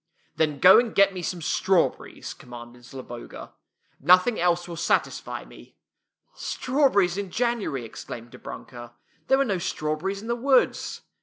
" Then go and get me some strawberries," commanded Zloboga. " Nothing else will satisfy me." "Strawberries in January!" exclaimed Dobrunka. " There were no strawberries in the woods."